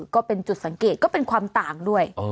ก็เป็นจุดสังเกตก็เป็นความต่างด้วย